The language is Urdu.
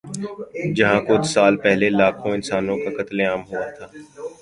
جہاں کچھ سال پہلے لاکھوں انسانوں کا قتل عام ہوا تھا۔